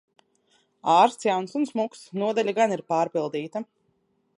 Ārsts jauns un smuks. Nodaļa gan ir pārpildīta...